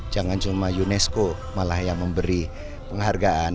jangan cuma unesco malah yang memberi penghargaan